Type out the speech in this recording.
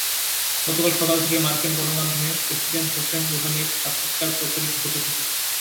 গতকাল সকাল থেকেই মার্কিন গণমাধ্যমে প্রেসিডেন্ট হোসেন রুহানির সাক্ষাত্কার প্রচারিত হতে থাকে।